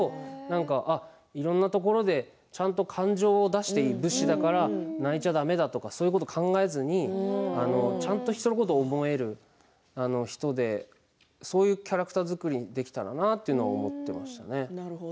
いろんなところに武士らから泣いちゃだめだとかそんなことを考えずにちゃんと人のことを思える人でそういうキャラクター作りができたらなと思っていました。